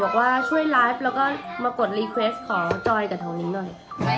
บอกว่าช่วยไลฟ์แล้วก็มากดรีเควสของจอยกับทางนิ้งหน่อย